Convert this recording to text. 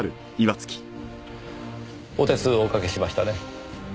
お手数をおかけしましたね。